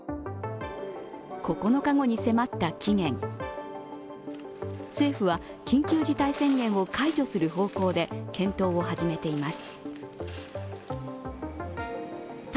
９日後に迫った期限、政府は緊急事態宣言を解除する方向で検討を始めています。